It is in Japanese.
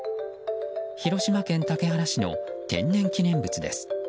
広島県竹原市の天然記念物です。